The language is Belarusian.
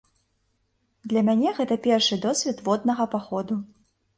Для мяне гэта першы досвед воднага паходу.